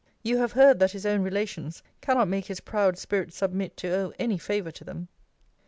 You have heard, that his own relations cannot make his proud spirit submit to owe any favour to them.